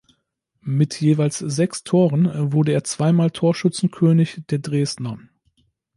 Mit jeweils sechs Toren wurde er zweimal Torschützenkönig der Dresdner.